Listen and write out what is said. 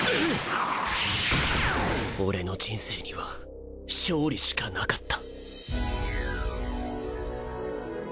俺の人生には勝利しかなかった